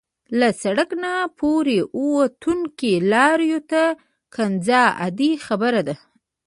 له سړک نه پورې وتونکو لارویو ته کنځا عادي خبره ده.